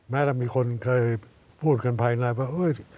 แม้แล้วมีคนเคยพูดกันภายหรืออะไร